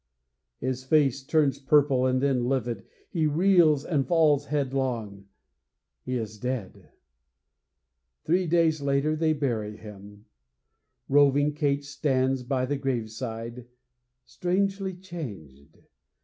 His face turns purple and then livid. He reels and falls headlong. He is dead! Three days later they bury him. Roving Kate stands by the graveside, strangely changed.